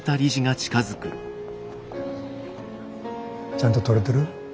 ちゃんと撮れてる？